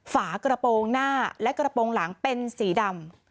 ฝากระโปรงหน้าและกระโปรงหลังเป็นสีดำ